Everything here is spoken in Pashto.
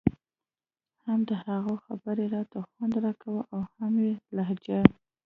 هم د هغه خبرو راته خوند راکاوه او هم يې لهجه.